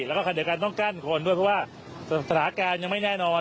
แล้วก็เดี๋ยวกันต้องกั้นคนแสถาการณ์ยังไม่แน่นอน